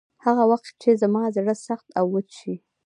هغه وخت چې زما زړه سخت او وچ شي.